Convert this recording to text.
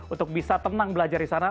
untuk bisa tenang belajar di sana